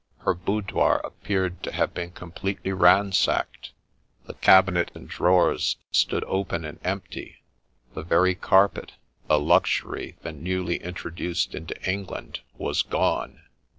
Her boudoir appeared to have been completely ransacked ; the cabinet and drawers stood open and empty ; the very carpet, a luxury then newly introduced into England, was gone.